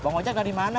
bang ojak dari mana